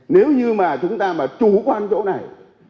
nếu như mà chúng ta mà chủ quan chỗ này